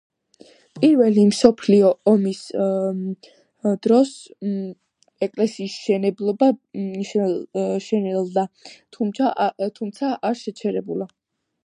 პირველი მსოფლიო ომის დროს ეკლესიის შენებლობა შენელდა, თუმცა არ შეჩერებულა.